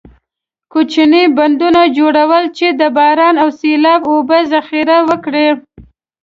کوچنۍ بندونو جوړول چې د باراني او سیلابي اوبو ذخیره وکړي.